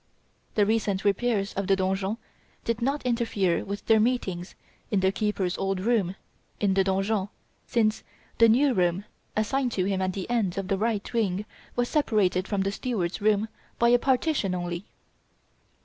The recent repairs of the donjon did not interfere with their meetings in the keeper's old room, in the donjon, since the new room assigned to him at the end of the right wing was separated from the steward's room by a partition only.